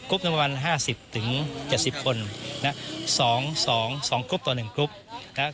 กรุ๊ปประมาณห้าสิบถึงเจ็ดสิบคนนะฮะสอง๒สองกรุ๊ปต่อหนึ่งกรุ๊ปนะฮะ